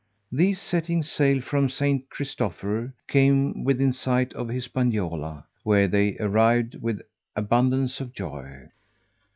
These setting sail from St. Christopher, came within sight of Hispaniola, where they arrived with abundance of joy.